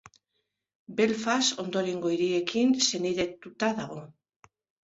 Belfast ondorengo hiriekin senidetuta dago.